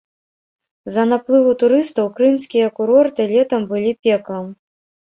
З-за наплыву турыстаў крымскія курорты летам былі пеклам.